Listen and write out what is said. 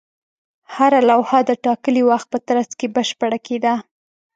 هره لوحه د ټاکلي وخت په ترڅ کې بشپړه کېده.